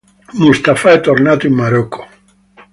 Mustafa è tornato in Marocco.